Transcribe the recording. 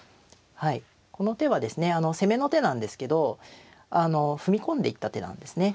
はいこの手はですね攻めの手なんですけど踏み込んでいった手なんですね。